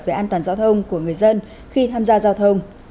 về an toàn giao thông của người dân khi tham gia giao thông